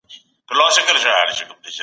حقوقپوهان به د جګړې مخه ونیسي.